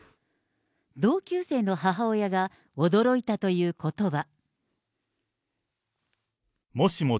同級生の母親が、驚いたということば。